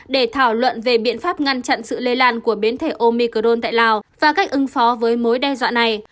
để thảo luận về biện pháp ngăn chặn sự lây lan của biến thể omicron tại lào và cách ứng phó với mối đe dọa này